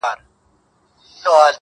یوه سوی وه راوتلې له خپل غاره٫